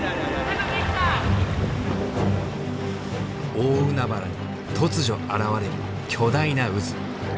大海原に突如現れる巨大な渦。